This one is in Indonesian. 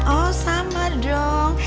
oh sama dong